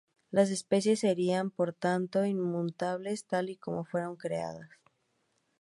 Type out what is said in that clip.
Las especies serían, por tanto, inmutables, tal y como fueron creadas.